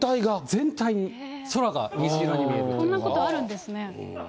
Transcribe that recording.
全体に、こんなことあるんですね。